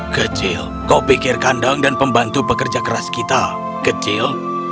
kecil kau pikir kandang dan pembantu pekerja keras kita kecil